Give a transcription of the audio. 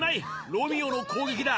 ロミオの攻撃だ